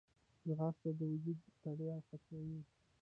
ځغاسته د وجود ستړیا ختموي